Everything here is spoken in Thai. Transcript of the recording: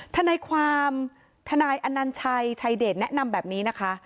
ทนายความทนายอนัญชัยชายเดชแนะนำแบบนี้นะคะ